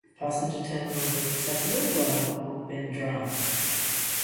The passenger terminal is accessible via Hogbin Drive.